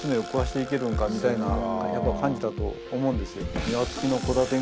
みたいな感じだと思うんです。